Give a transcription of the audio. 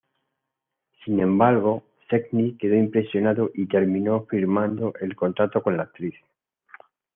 Sin embargo, Selznick quedó impresionado y terminó firmando un contrato con la actriz.